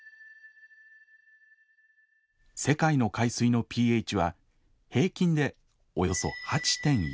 世界の海水のｐＨは平均でおよそ８．１。